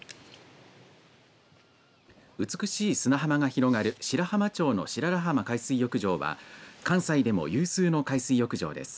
美しい砂浜が広がる白浜町の白良浜海水浴場は関西でも有数の海水浴場です。